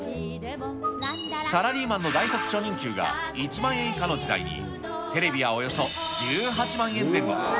サラリーマンの大卒初任給が１万円以下の時代に、テレビはおよそ１８万円前後。